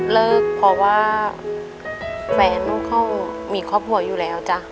เลิกเพราะว่าแฟนเขามีครอบครัวอยู่แล้วจ้ะ